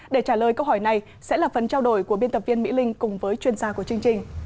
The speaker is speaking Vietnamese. để trả lời câu hỏi này sẽ là phần trao đổi của biên tập viên mỹ linh cùng với chuyên gia của chương trình